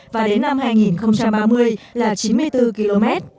và đến năm hai nghìn ba mươi là chín mươi bốn km